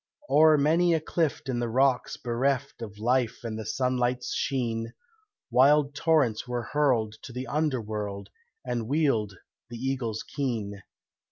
O'er many a cleft in the rocks bereft Of life and the sunlight's sheen, Wild torrents were hurled to the under world, And wheeled the eagles keen.